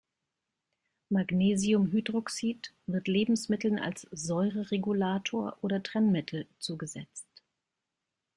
Magnesiumhydroxid wird Lebensmitteln als Säureregulator oder Trennmittel zugesetzt.